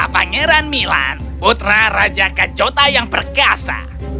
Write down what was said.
pangeran milan putra raja kajota yang perkasa